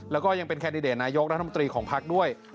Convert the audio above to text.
แล้วก็ยังเป็นแคนดิเดตนายกรัฐมนตรีของพักด้วย